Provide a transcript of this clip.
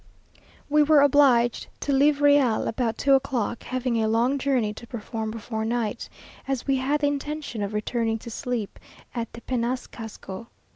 We were obliged to leave Real about two o'clock, having a long journey to perform before night, as we had the intention of returning to sleep at Tepenacasco.